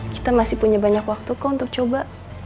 kita masih punya banyak waktuku untuk coba